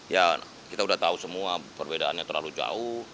ya kita sudah tahu semua perbedaannya terlalu jauh